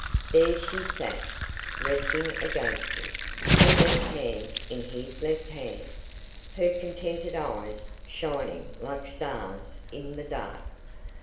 There she sat, resting against him, her left hand in his left hand, her contented eyes shining like stars in the dark.